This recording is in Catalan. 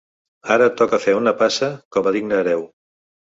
Ara et toca fer una passa com a digne hereu.